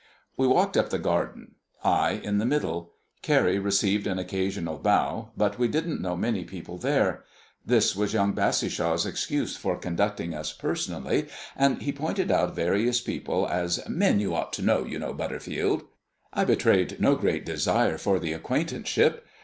We walked up the garden, I in the middle. Carrie received an occasional bow, but we didn't know many people there. This was young Bassishaw's excuse for conducting us personally, and he pointed out various people as "men you ought to know, you know, Butterfield." I betrayed no great desire for the acquaintanceship.